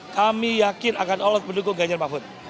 kami yakin akan allah mendukung jajar mahfud